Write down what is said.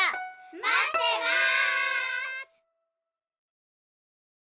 まってます！